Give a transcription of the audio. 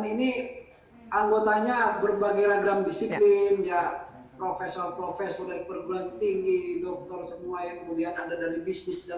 bisa mengumpulkan sekian banyak stakeholder dalam suatu kegiatan